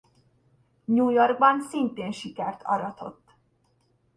New Yorkban szintén sikert aratott.